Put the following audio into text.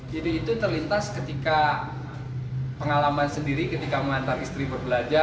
jadi itu terlintas ketika pengalaman sendiri ketika mengantar istri berbelanja